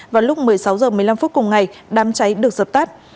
vào lúc một mươi sáu h một mươi năm cùng ngày đám cháy được sập tắt